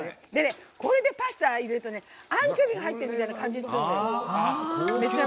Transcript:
これでパスタを入れるとアンチョビが入ってるみたいな感じがするのよ。